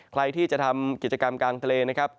ใครที่จะทำกิจกรรมกลางทะเลนะครับ